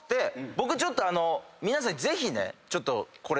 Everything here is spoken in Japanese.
僕ちょっとあの皆さんにぜひねちょっとこれ。